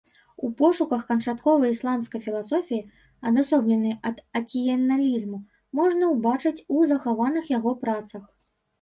У пошуках канчатковай ісламскай філасофіі, адасобленай ад аказіяналізму, можна ўбачыць у захаваных яго працах.